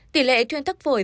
tỷ lệ thuyên thức phổi